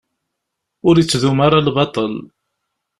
Ur ittdum ara lbaṭel.